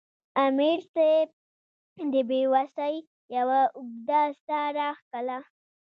امیر صېب د بې وسۍ یوه اوږده ساه راښکله